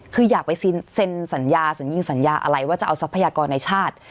คืออยากไปเซ็นสัญญาสัญญิงสัญญาอะไรว่าจะเอาทรัพยากรในชาติ